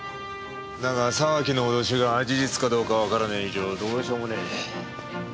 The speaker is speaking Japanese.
だが沢木の脅しが事実かどうかわからねえ以上どうしようもねえ。